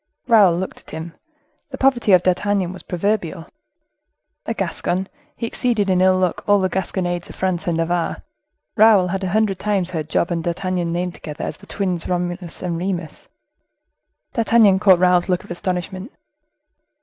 Raoul looked at him. The poverty of D'Artagnan was proverbial. A Gascon, he exceeded in ill luck all the gasconnades of France and Navarre; Raoul had a hundred times heard Job and D'Artagnan named together, as the twins Romulus and Remus. D'Artagnan caught Raoul's look of astonishment.